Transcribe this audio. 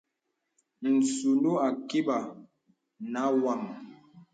Sùŋūū àkībà nà wàm.